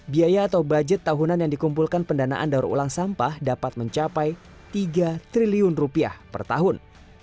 biaya atau budget tahunan yang dikumpulkan pendanaan daur ulang sampah dapat mencapai tiga triliun rupiah per tahun